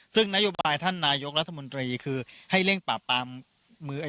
ซึ่งนโยบายท่านนายกรัฐมนตรีคือให้เร่งปราบปรามมือ